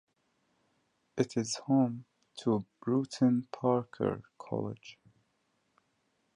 It is home to Brewton-Parker College.